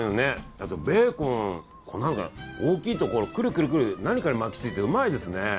あとベーコン、大きいところくるくる何かに巻きついてうまいですね。